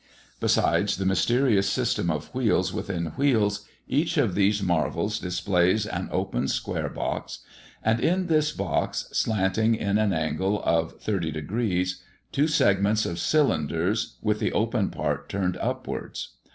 Besides the mysterious system of wheels within wheels, each of these marvels displays an open square box, and in this box, slanting in an angle of 30°, two segments of cylinders, with the open part turned upwards.